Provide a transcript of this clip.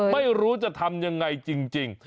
ไม่รู้จะทำยังไงจริง